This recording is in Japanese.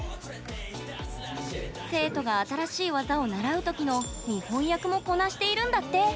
生徒が新しい技を習うときの見本役もこなしているんだって。